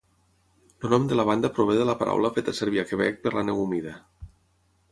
El nom de la banda prové de la paraula feta servir a Quebec per la neu humida.